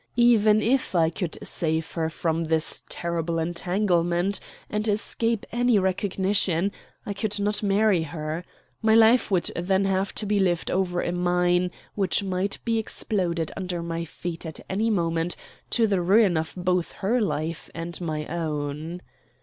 Even if I could save her from this terrible entanglement, and escape any recognition, I could not marry her. My life would then have to be lived over a mine which might be exploded under my feet at any moment, to the ruin of both her life and my own.